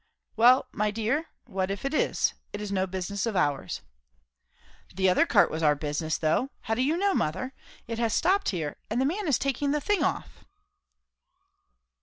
_" "Well, my dear, what if it is. It is no business of ours." "The other cart was our business, though; how do you know, mother? It has stopped here, and the man is taking the thing off."